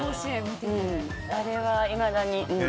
あれはいまだに。